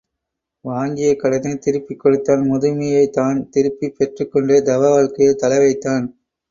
வாங்கிய கடனைத் திருப்பிக் கொடுத்தான் முதுமையைத் தான் திருப்பிப் பெற்றுக்கொண்டு தவ வாழ்க்கையில் தலைவைத்தான்.